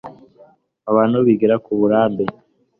Abantu bigira kuburambe